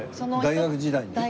大学時代に。